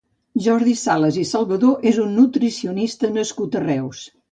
Jordi Salas i Salvadó és un nutricionista nascut a Reus.